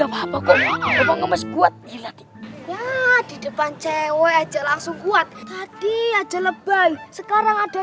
apa kok bopong gemes kuat gila di depan cewek aja langsung kuat tadi aja lebay sekarang ada